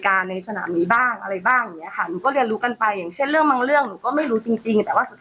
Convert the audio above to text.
เขาไม่ได้พูดถึงคนนี้